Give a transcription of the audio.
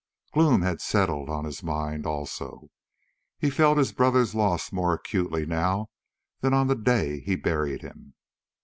Gloom had settled on his mind also; he felt his brother's loss more acutely now than on the day he buried him.